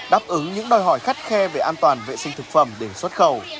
đáp ứng những đòi hỏi khắt khe về an toàn vệ sinh thực phẩm để xuất khẩu